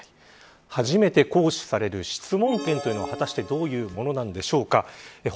初めて行使される質問権というのは果たしてどういうものなのでしょうか。